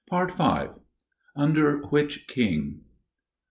Under Which King?